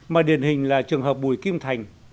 mà điển hình là trường hợp bùi kim thành